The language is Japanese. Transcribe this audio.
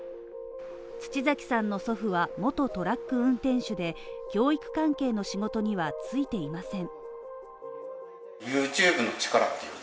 土崎さんの祖父は元トラック運転手で教育関係の仕事には就いていません。